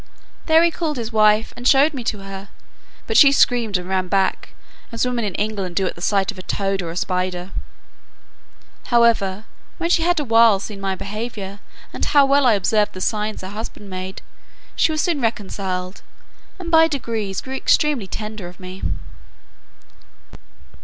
There he called his wife, and showed me to her; but she screamed and ran back, as women in England do at the sight of a toad or a spider. However, when she had a while seen my behaviour, and how well I observed the signs her husband made, she was soon reconciled, and by degrees grew extremely tender of me.